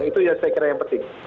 itu yang saya kira yang penting